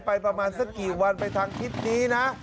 ประมาณสักกี่วันไปทางทิศนี้นะ